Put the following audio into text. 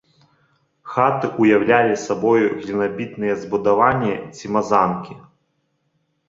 Хаты ўяўлялі сабою глінабітныя збудаванні ці мазанкі.